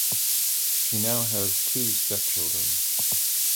She now has two step children.